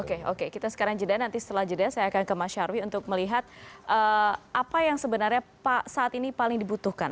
oke oke kita sekarang jeda nanti setelah jeda saya akan ke mas nyarwi untuk melihat apa yang sebenarnya saat ini paling dibutuhkan